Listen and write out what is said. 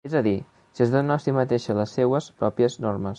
És a dir, si es dona a si mateixa les seues pròpies normes.